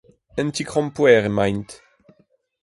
en ti-krampouezh emaint